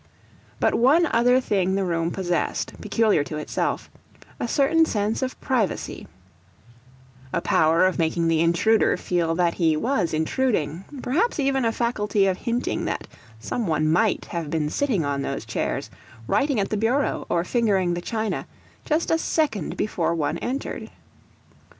But one other thing the room possessed, peculiar to itself; a certain sense of privacy, a power of making the intruder feel that he WAS intruding, perhaps even a faculty of hinting that some one might have been sitting on those chairs, writing at the bureau, or fingering the china, just a second before one entered.